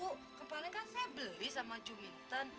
kemaren kan saya beli sama ju intan